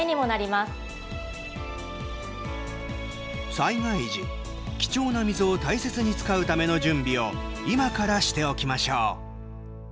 災害時、貴重な水を大切に使うための準備を今からしておきましょう。